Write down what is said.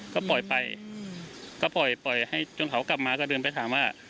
ก็ปล่อยไปจนเขากลับมาก็เดินไปถามว่า